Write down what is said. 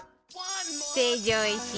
成城石井